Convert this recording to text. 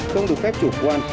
không được phép chủ quan